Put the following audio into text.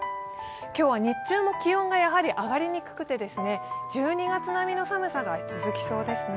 今日は日中も気温が上がりにくくて、１２月並みの寒さが続きそうですね。